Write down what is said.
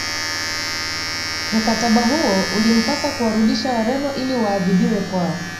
Mkataba huo ulimpasa kuwarudisha Wareno ili waadhibiwe kwao